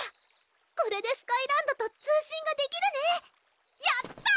これでスカイランドと通信ができるねやった！